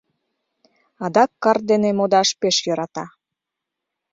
Адак карт дене модаш пеш йӧрата.